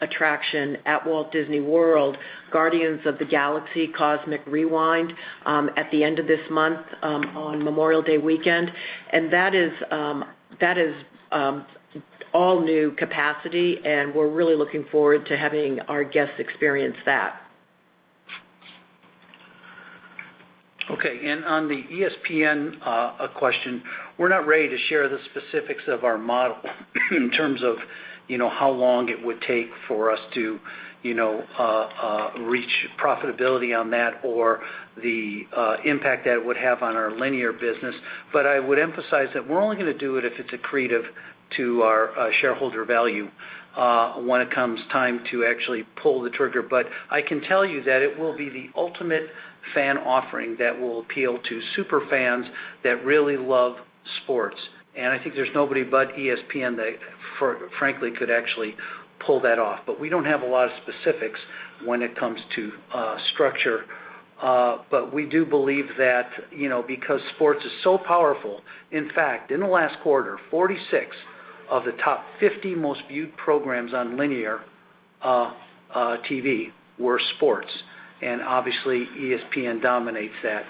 attraction at Walt Disney World, Guardians of the Galaxy: Cosmic Rewind, at the end of this month on Memorial Day weekend. That is all new capacity, and we're really looking forward to having our guests experience that. Okay. On the ESPN question, we're not ready to share the specifics of our model in terms of, you know, how long it would take for us to, you know, reach profitability on that or the impact that it would have on our linear business. I would emphasize that we're only gonna do it if it's accretive to our shareholder value when it comes time to actually pull the trigger. I can tell you that it will be the ultimate fan offering that will appeal to super fans that really love sports. I think there's nobody but ESPN that frankly could actually pull that off. We don't have a lot of specifics when it comes to structure. We do believe that, you know, because sports is so powerful. In fact, in the last quarter, 46 of the top 50 most viewed programs on linear TV were sports, and obviously ESPN dominates that.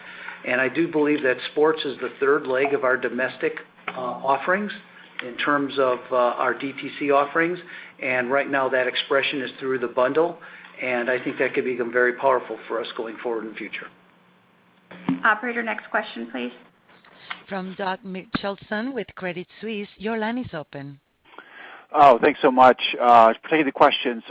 I do believe that sports is the third leg of our domestic offerings in terms of our DTC offerings. Right now that expression is through the bundle, and I think that could become very powerful for us going forward in the future. Operator, next question, please. From Doug Mitchelson with Credit Suisse. Your line is open. Oh, thanks so much. To pose the question.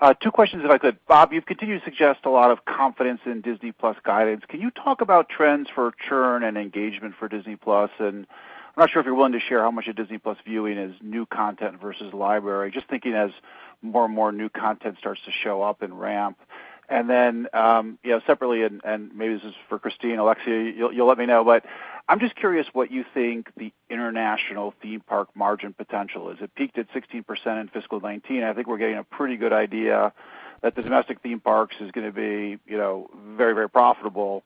I guess two questions if I could. Bob, you've continued to suggest a lot of confidence in Disney+ guidance. Can you talk about trends for churn and engagement for Disney+? I'm not sure if you're willing to share how much of Disney+ viewing is new content versus library. Just thinking as more and more new content starts to show up and ramp. Then, you know, separately, maybe this is for Christine or Alexia. You'll let me know. But I'm just curious what you think the international theme park margin potential is. It peaked at 16% in fiscal 2019. I think we're getting a pretty good idea that the domestic theme parks is gonna be, you know, very, very profitable.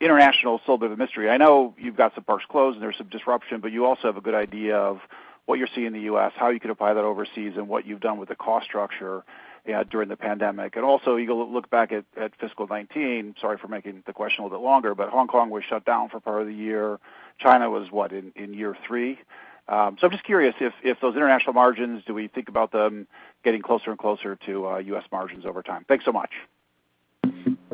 International is still a bit of a mystery. I know you've got some parks closed and there's some disruption, but you also have a good idea of what you're seeing in the U.S., how you could apply that overseas, and what you've done with the cost structure during the pandemic. Also, you go look back at fiscal 2019. Sorry for making the question a little bit longer, but Hong Kong was shut down for part of the year. China was what, in year three? I'm just curious if those international margins, do we think about them getting closer and closer to U.S. margins over time? Thanks so much.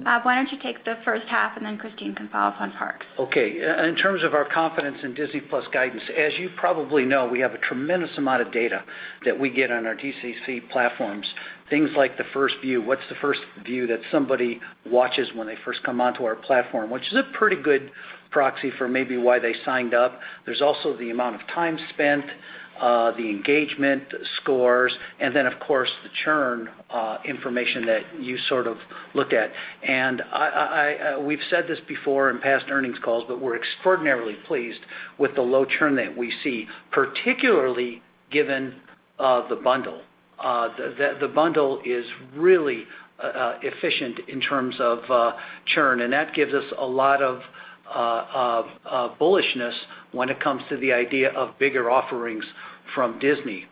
Bob, why don't you take the first half, and then Christine can follow up on parks. Okay. In terms of our confidence in Disney+ guidance, as you probably know, we have a tremendous amount of data that we get on our DTC platforms. Things like the first view, what's the first view that somebody watches when they first come onto our platform, which is a pretty good proxy for maybe why they signed up. There's also the amount of time spent, the engagement scores, and then of course, the churn information that you sort of look at. I, we've said this before in past earnings calls, but we're extraordinarily pleased with the low churn that we see, particularly given the bundle. The bundle is really efficient in terms of churn, and that gives us a lot of bullishness when it comes to the idea of bigger offerings from Disney.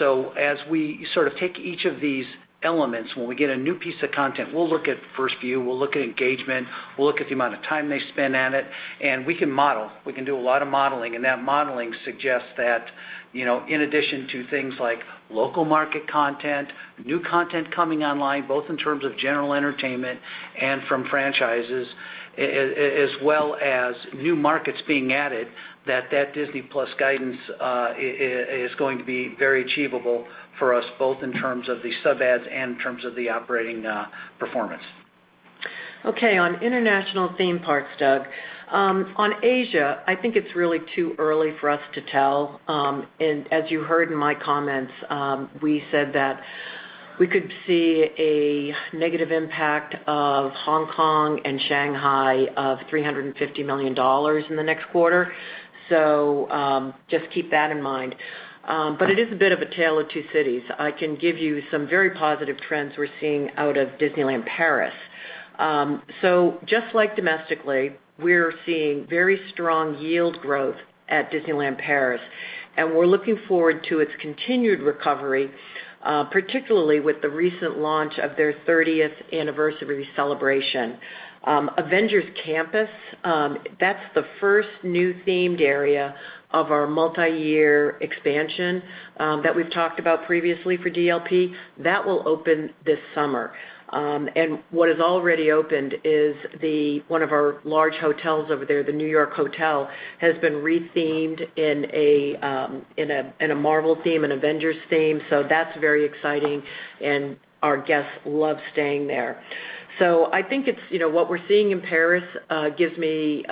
As we sort of take each of these elements, when we get a new piece of content, we'll look at first view, we'll look at engagement, we'll look at the amount of time they spend on it, and we can model. We can do a lot of modeling, and that modeling suggests that, you know, in addition to things like local market content, new content coming online, both in terms of general entertainment and from franchises, as well as new markets being added, that Disney+ guidance is going to be very achievable for us, both in terms of the sub adds and in terms of the operating performance. Okay. On international theme parks, Doug, on Asia, I think it's really too early for us to tell. As you heard in my comments, we said that we could see a negative impact of Hong Kong and Shanghai of $350 million in the next quarter. Just keep that in mind. It is a bit of a tale of two cities. I can give you some very positive trends we're seeing out of Disneyland Paris. Just like domestically, we're seeing very strong yield growth at Disneyland Paris, and we're looking forward to its continued recovery, particularly with the recent launch of their thirtieth anniversary celebration. Avengers Campus, that's the first new themed area of our multiyear expansion, that we've talked about previously for DLP. That will open this summer. What has already opened is one of our large hotels over there. Disney Hotel New York – The Art of Marvel has been rethemed in a Marvel theme and Avengers theme. That's very exciting, and our guests love staying there. I think it's, you know, what we're seeing in Paris gives me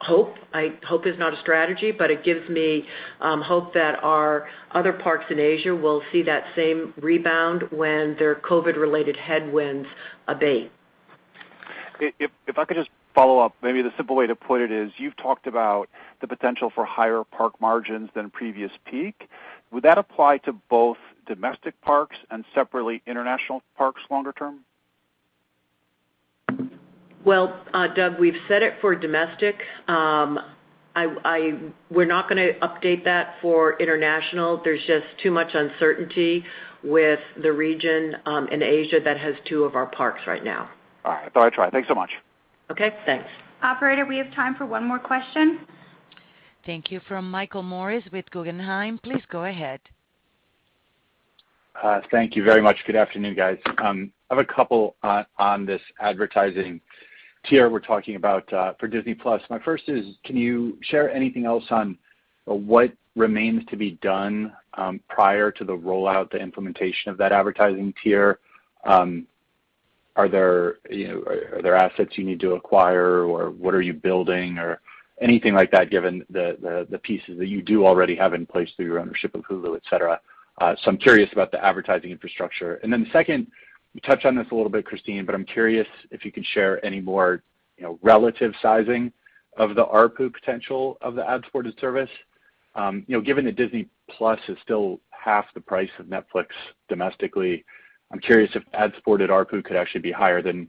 hope. I hope is not a strategy, but it gives me hope that our other parks in Asia will see that same rebound when their COVID-related headwinds abate. If I could just follow up, maybe the simple way to put it is, you've talked about the potential for higher park margins than previous peak. Would that apply to both domestic parks and separately international parks longer term? Doug, we've said it for domestic. We're not gonna update that for international. There's just too much uncertainty with the region in Asia that has two of our parks right now. All right. Thought I'd try. Thanks so much. Okay, thanks. Operator, we have time for one more question. Thank you. From Michael Morris with Guggenheim. Please go ahead. Thank you very much. Good afternoon, guys. I have a couple on this advertising tier we're talking about for Disney+. My first is, can you share anything else on what remains to be done prior to the rollout, the implementation of that advertising tier? Are there, you know, are there assets you need to acquire, or what are you building or anything like that, given the pieces that you do already have in place through your ownership of Hulu, et cetera? So I'm curious about the advertising infrastructure. Then second, you touched on this a little bit, Christine, but I'm curious if you could share any more, you know, relative sizing of the ARPU potential of the ad-supported service. You know, given that Disney+ is still half the price of Netflix domestically, I'm curious if ad-supported ARPU could actually be higher than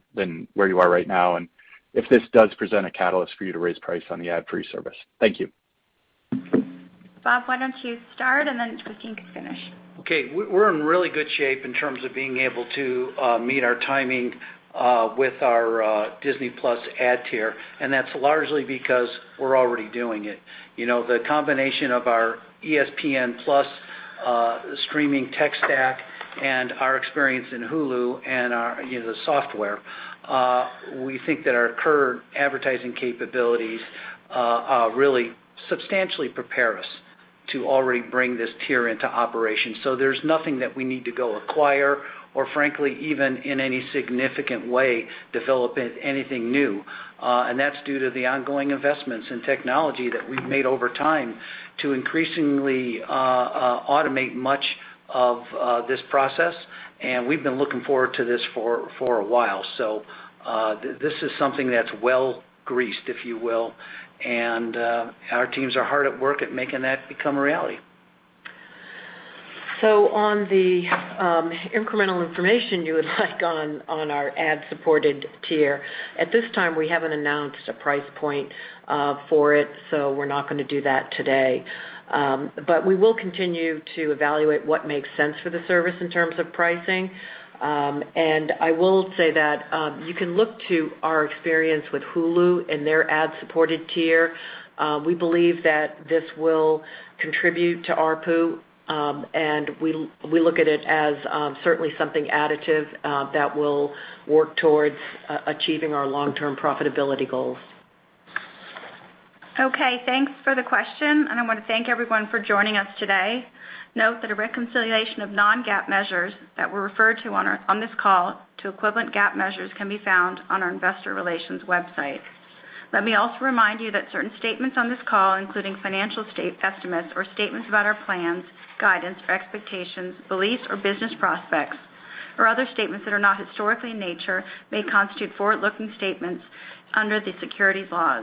where you are right now, and if this does present a catalyst for you to raise price on the ad-free service. Thank you. Bob, why don't you start, and then Christine can finish. Okay. We're in really good shape in terms of being able to meet our timing with our Disney+ ad tier, and that's largely because we're already doing it. You know, the combination of our ESPN+ streaming tech stack and our experience in Hulu and our, you know, the software, we think that our current advertising capabilities really substantially prepare us to already bring this tier into operation. So there's nothing that we need to go acquire or frankly, even in any significant way, develop anything new. That's due to the ongoing investments in technology that we've made over time to increasingly automate much of this process. We've been looking forward to this for a while. This is something that's well-greased, if you will, and our teams are hard at work at making that become a reality. On the incremental information you would like on our ad-supported tier. At this time, we haven't announced a price point for it, so we're not gonna do that today. We will continue to evaluate what makes sense for the service in terms of pricing. I will say that you can look to our experience with Hulu and their ad-supported tier. We believe that this will contribute to ARPU and we look at it as certainly something additive that will work towards achieving our long-term profitability goals. Okay, thanks for the question, and I wanna thank everyone for joining us today. Note that a reconciliation of non-GAAP measures that were referred to on this call to equivalent GAAP measures can be found on our investor relations website. Let me also remind you that certain statements on this call, including financial state estimates or statements about our plans, guidance or expectations, beliefs or business prospects, or other statements that are not historically in nature, may constitute forward-looking statements under the securities laws.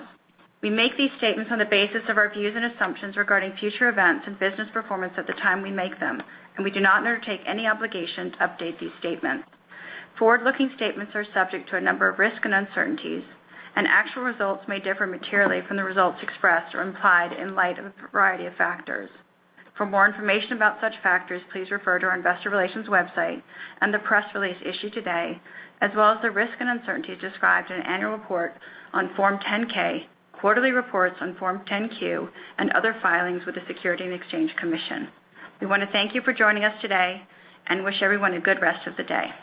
We make these statements on the basis of our views and assumptions regarding future events and business performance at the time we make them, and we do not undertake any obligation to update these statements. Forward-looking statements are subject to a number of risks and uncertainties, and actual results may differ materially from the results expressed or implied in light of a variety of factors. For more information about such factors, please refer to our investor relations website and the press release issued today, as well as the risks and uncertainties described in annual report on Form 10-K, quarterly reports on Form 10-Q, and other filings with the Securities and Exchange Commission. We wanna thank you for joining us today and wish everyone a good rest of the day.